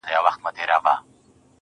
له مايې ما اخله,